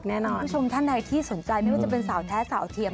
คุณผู้ชมท่านใดที่สนใจไม่ว่าจะเป็นสาวแท้สาวเทียม